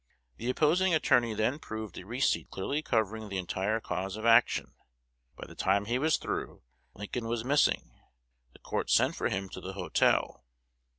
The opposing attorney then proved a receipt clearly covering the entire cause of action. By the time he was through, Lincoln was missing. The court sent for him to the hotel.